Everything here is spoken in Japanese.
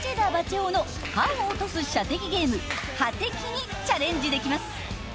男の歯を落とす射的ゲーム歯的にチャレンジできます！